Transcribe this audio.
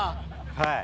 はい。